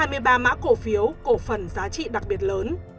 hai mươi ba mã cổ phiếu cổ phần giá trị đặc biệt lớn